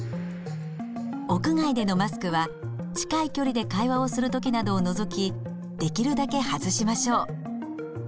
屋外でのマスクは近い距離で会話をする時などを除きできるだけ外しましょう。